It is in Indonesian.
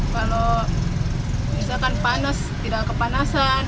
kalau misalkan panas tidak kepanasan